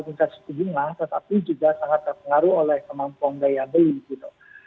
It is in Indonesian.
tidak hanya di sekitar suku bunga tetapi juga sangat terpengaruh oleh kemampuan daya beli gitu